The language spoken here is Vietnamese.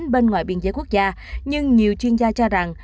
bên ngoài biên giới quốc gia nhưng nhiều chuyên gia cho rằng